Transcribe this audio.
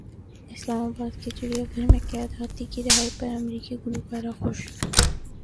اسلام باد کے چڑیا گھر میں قید ہاتھی کی رہائی پر امریکی گلوکارہ خوش